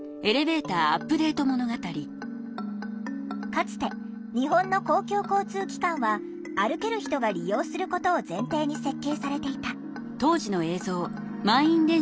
かつて日本の公共交通機関は歩ける人が利用することを前提に設計されていた。